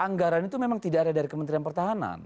anggaran itu memang tidak ada dari kementerian pertahanan